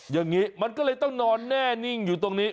อย่างนี้มันก็เลยต้องนอนแน่นิ่งอยู่ตรงนี้